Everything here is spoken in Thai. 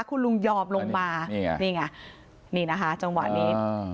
คุณลุงยอมลงมานี่ไงนี่ไงนี่นะคะจังหวะนี้